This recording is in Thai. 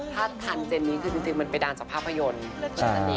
ถ้าทันเจนนี้คือจริงมันไปดังจากภาพยนตร์